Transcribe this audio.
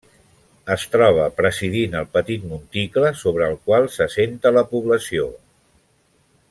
Es troba presidint el petit monticle sobre el qual s'assenta la població.